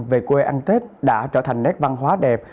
về quê ăn tết đã trở thành nét văn hóa đẹp